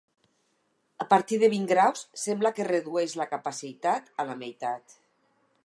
A partir de vint graus, sembla que redueix la capacitat a la meitat.